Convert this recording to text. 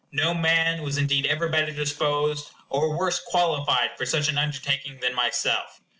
No man was indeed ever better disposed, or worse qualified, for such an undertaking than myself.